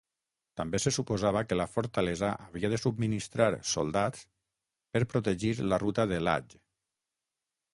També se suposava que la fortalesa havia de subministrar soldats per protegir la ruta de l'hajj.